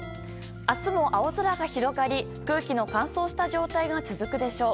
明日も青空が広がり、空気の乾燥した状態が続くでしょう。